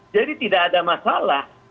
jadi tidak ada masalah